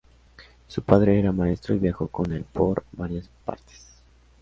Su padre era maestro y viajó con el por varias partes.